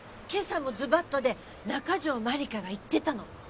『今朝もズバッと！』で中条マリカが言ってたの！